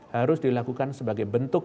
harus dilakukan sebagai bentuk